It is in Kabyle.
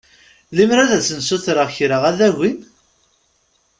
Lemmer ad sen-ssutreɣ kra ad agin?